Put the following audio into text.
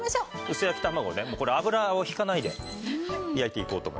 薄焼き卵ね油を引かないで焼いていこうと思います。